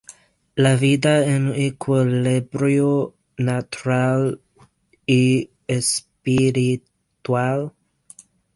La vida en equilibrio natural y espiritual.